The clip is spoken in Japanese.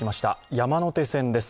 山手線です。